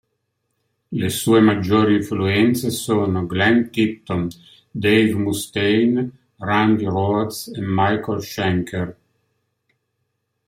Le sue maggiori influenze sono Glenn Tipton, Dave Mustaine, Randy Rhoads e Michael Schenker.